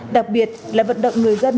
đặc biệt là vận động người dân